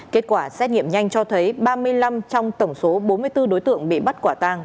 kết quả xét nghiệm nhanh cho thấy ba mươi năm trong tổng số bốn mươi bốn đối tượng bị bắt quả tàng